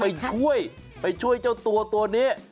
ไปช่วยไปช่วยเจ้าตัวตัวนี้